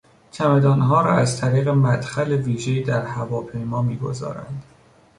چمدانها را از طریق مدخل ویژهای در هواپیما میگذارند.